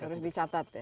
harus dicatat ya